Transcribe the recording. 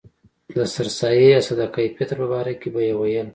د سر سایې یا صدقه فطر په باره کې به یې ویل.